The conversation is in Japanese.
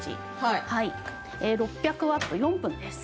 ６００ワット４分です。